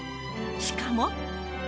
しかも。